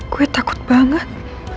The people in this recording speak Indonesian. gue takut banget